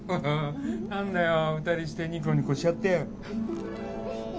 何だよ２人してにこにこしちゃって。ね。